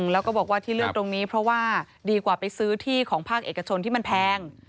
แล้วก็บอกว่าที่เลือกตรงนี้เพราะว่าดีกว่าไปซื้อที่ของภาคเอกชนที่มันแพง